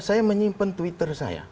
saya menyimpan twitter saya